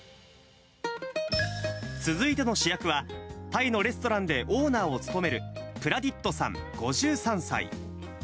続いての主役は、タイのレストランでオーナーを務めるプラディットさん５３歳。